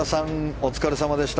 お疲れさまでした。